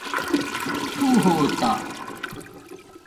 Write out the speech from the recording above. تُھو ہوتہ